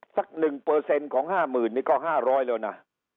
สัก๑เปอร์เซ็นต์ของ๕๐๐๐๐นี่ก็๕๐๐แล้วนะ